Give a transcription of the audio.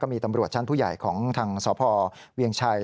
มีตำรวจชั้นผู้ใหญ่ของทางสพเวียงชัย